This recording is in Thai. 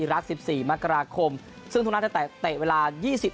อิรักษ์สิบสี่มักราคมซึ่งทุกนักจะแตะเตะเวลายี่สิบ